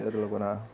tidak terlalu kuat